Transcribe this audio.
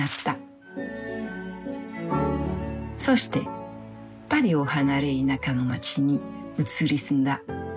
そしてパリを離れ田舎の街に移り住んだ。